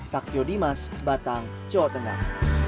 saktio dimas batang jawa tengah